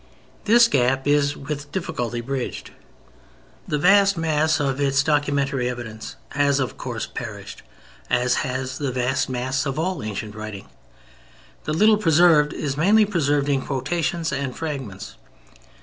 This gap is with difficulty bridged. The vast mass of its documentary evidence has, of course, perished, as has the vast mass of all ancient writing. The little preserved is mainly preserved in quotations and fragments.